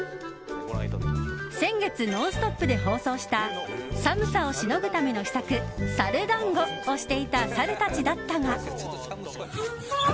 先月「ノンストップ！」で放送した寒さをしのぐための秘策猿団子をしていたサルたちだったが。